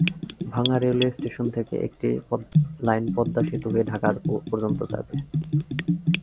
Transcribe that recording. ভাঙ্গা railway station থেকে একটি লাইন পদ্মা সেতু হয়ে ঢাকা পর্যন্ত যাবে।